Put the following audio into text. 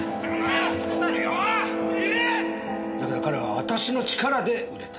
だが彼は私の力で売れた。